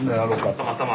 たまたま。